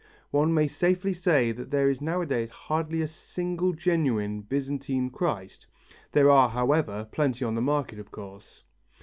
One may safely say that there is nowadays hardly a single genuine Byzantine Christ; there are, however, plenty on the market of course.